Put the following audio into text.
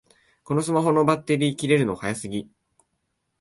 このスマホのバッテリー切れるの早すぎ